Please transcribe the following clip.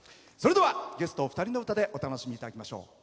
それではゲストお二人の歌でお楽しみいただきましょう。